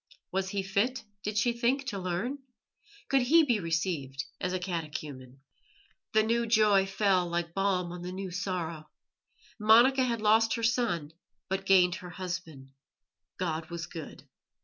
Was he fit, did she think, to learn? Could he be received as a catechumen? The new joy fell like balm on the new sorrow. Monica had lost her son, but gained her husband. God was good.